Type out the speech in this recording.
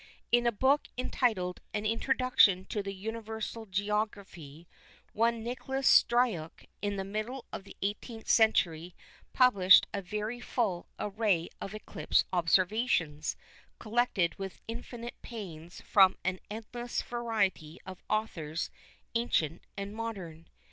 In a book entitled An Introduction to Universal Geography, one Nicolas Struyck in the middle of the 18th century published a very full array of eclipse observations collected with infinite pains from an endless variety of authors ancient and modern.